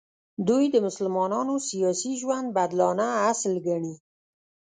دوی د مسلمانانو سیاسي ژوند بدلانه اصل ګڼي.